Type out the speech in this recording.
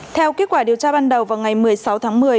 theo kết quả điều tra ban đầu vào ngày một mươi sáu tháng một mươi